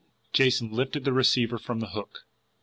Jason lifted the receiver from the hook.